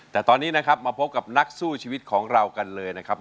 แต่ตอนนี้นะครับมาพบกับนักสู้ชีวิตของเรากันเลยนะครับ